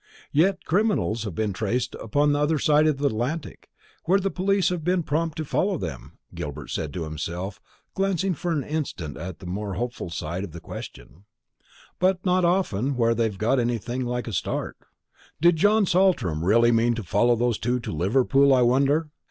"Yet criminals have been traced upon the other side of the Atlantic, where the police have been prompt to follow them," Gilbert said to himself, glancing for an instant at the more hopeful side of the question; "but not often where they've got anything like a start. Did John Saltram really mean to follow those two to Liverpool, I wonder?